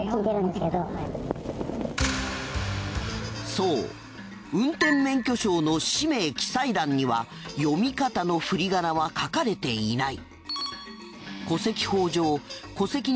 そう運転免許証の氏名記載覧には読み方の振り仮名は書かれていない。